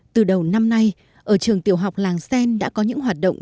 từ đầu năm nay ở trường tiểu học làng xen đã có những hoạt động